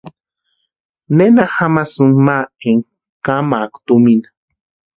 ¿Nena jamasínki ma énka kamaaka tumina?